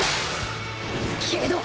けど